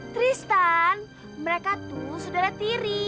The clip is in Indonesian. tristan mereka tuh saudara tiri